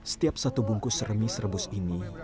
setiap satu bungkus remis rebus ini